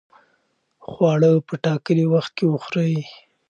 خواړه په ټاکلي وخت کې وخورئ.